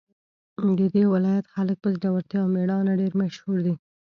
د دې ولایت خلک په زړورتیا او میړانه ډېر مشهور دي